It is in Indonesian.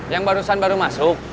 yang barusan baru masuk